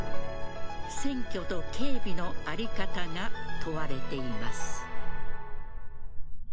選挙と警備の在り方が問われています。